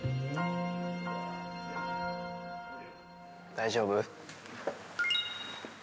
大丈夫？